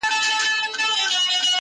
یو بوډا مي وو لیدلی!!